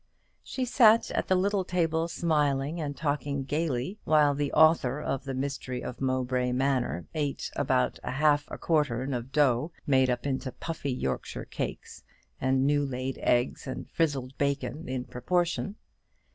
She sat at the little table smiling and talking gaily, while the author of "The Mystery of Mowbray Manor" ate about half a quartern of dough made up into puffy Yorkshire cakes, and new laid eggs and frizzled bacon in proportion.